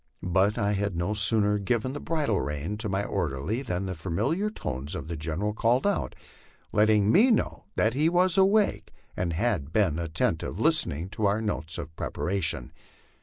But I had no sooner given the bridle rein to my orderly than the familiar tones of the General called out, letting me know that he was awake, and had been an attentive lis tener to our notes of preparation.